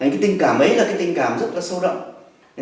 cái tình cảm ấy là cái tình cảm rất là sâu rộng